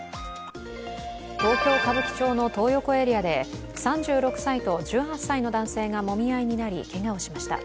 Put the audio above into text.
東京・歌舞伎町のトー横エリアで３６歳と１８歳の男性がもみ合いになり、けがをしました。